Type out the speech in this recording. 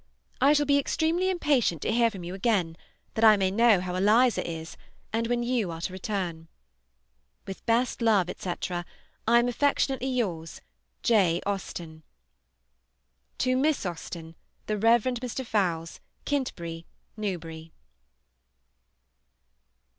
I shall be extremely impatient to hear from you again, that I may know how Eliza is, and when you are to return. With best love, etc., I am affectionately yours, J. AUSTEN. Miss AUSTEN, The Rev. Mr. Fowle's, Kintbury, Newbury II.